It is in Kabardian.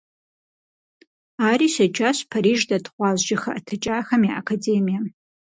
Ари щеджащ Париж дэт гъуазджэ хэӀэтыкӀахэм я Академием.